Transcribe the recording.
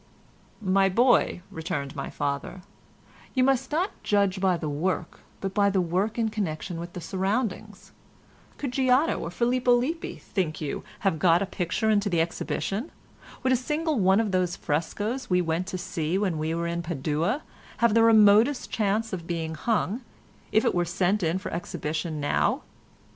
"My boy," returned my father, "you must not judge by the work, but by the work in connection with the surroundings. Could Giotto or Filippo Lippi, think you, have got a picture into the Exhibition? Would a single one of those frescoes we went to see when we were at Padua have the remotest chance of being hung, if it were sent in for exhibition now?